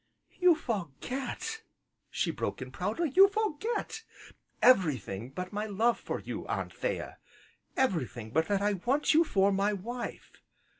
"You forget!" she broke in proudly, "you forget " "Everything but my love for you, Anthea, everything but that I want you for my wife.